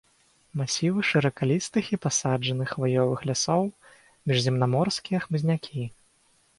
Масівы шыракалістых і пасаджаных хваёвых лясоў, міжземнаморскія хмызнякі.